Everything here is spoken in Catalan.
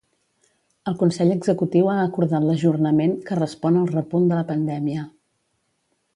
El consell executiu ha acordat l’ajornament, que respon al repunt de la pandèmia.